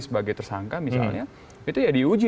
sebagai tersangka misalnya itu ya diuji